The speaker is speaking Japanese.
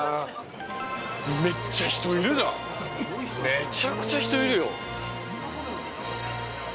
めちゃくちゃ人いるよ。